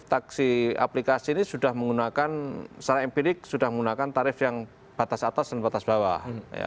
taksi aplikasi ini sudah menggunakan secara empirik sudah menggunakan tarif yang batas atas dan batas bawah